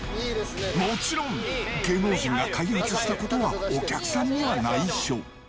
もちろん芸能人が開発したことはお客さんにはないしょ。